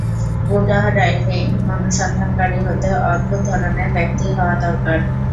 গুহা ডাইভিং অনুসন্ধানকারী হতে অদ্ভুত ধরনের ব্যক্তি হওয়া দরকার।